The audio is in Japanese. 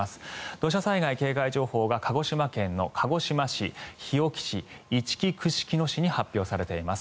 土砂災害警戒情報が鹿児島県の鹿児島市、日置市いちき串木野市に発表されています。